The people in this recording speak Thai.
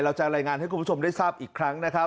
เราจะรายงานให้คุณผู้ชมได้ทราบอีกครั้งนะครับ